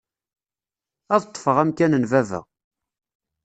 Ad ṭṭfeɣ amkan n baba.